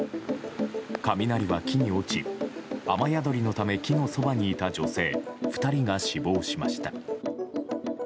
雷は木に落ち、雨宿りのため木のそばにいた女性２人が死亡しました。